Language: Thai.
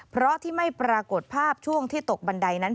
เพราะที่ไม่ปรากฏภาพช่วงที่ตกบันไดนั้น